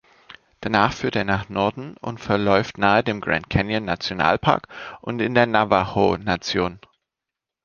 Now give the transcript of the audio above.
Danach führt er nach Norden und verläuft nahe dem Grand-Canyon-Nationalpark und in der Navajo-Nation.